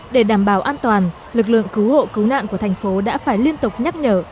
để đảm bảo an toàn lực lượng cứu hộ cứu nạn của thành phố đã phải liên tục nhắc nhở